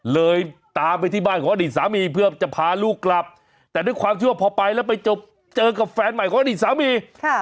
เลยตามไปที่บ้านของอดีตสามีเพื่อจะพาลูกกลับแต่ด้วยความที่ว่าพอไปแล้วไปเจอกับแฟนใหม่ของอดีตสามี